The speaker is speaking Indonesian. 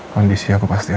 kondisi aku pasti ada